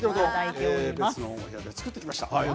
先ほど別の部屋で作ってきました。